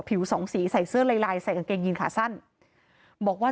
สองสีใส่เสื้อลายลายใส่กางเกงยีนขาสั้นบอกว่า